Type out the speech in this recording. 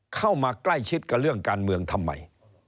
เข้ามาใกล้ชิดกับเรื่องการเมืองทำไม